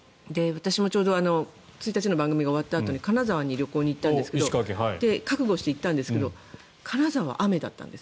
私も１日の番組が終わったあとに金沢に旅行に行ったんですけど覚悟して行ったんですが金沢は雨だったんです。